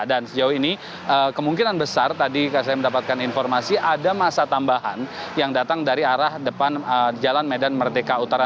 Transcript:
dan sejauh ini kemungkinan besar tadi saya mendapatkan informasi ada masa tambahan yang datang dari arah depan jalan medan merdeka utara